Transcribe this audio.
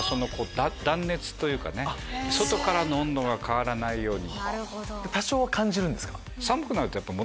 外からの温度が変わらないように。